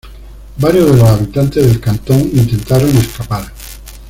Varios de los habitantes del cantón intentaron escapar.